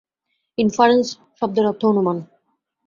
Inference শব্দের অর্থ অনুমান।